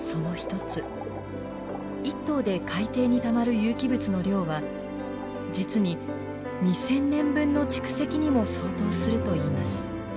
１頭で海底にたまる有機物の量は実に２，０００年分の蓄積にも相当するといいます。